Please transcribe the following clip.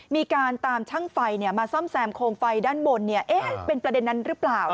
มีการตามช่างไฟมาซ่อมแซมโคมไฟด้านบนเป็นประเด็นนั้นหรือเปล่า